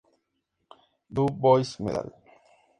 Du Bois Medal.